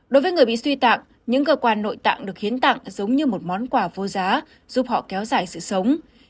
đối với người bị suy tạng những cơ quan nội tạng được hiến tặng giống như một món quà vô giá giúp họ kéo dài sự sống